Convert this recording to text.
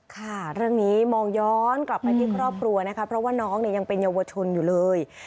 ค่ะเรื่องนี้มองย้อนกลับไปที่ครอบครัวนะคะเพราะว่าน้องเนี่ยยังเป็นเยาวชนอยู่เลย